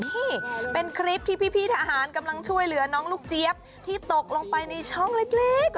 นี่เป็นคลิปที่พี่ทหารกำลังช่วยเหลือน้องลูกเจี๊ยบที่ตกลงไปในช่องเล็ก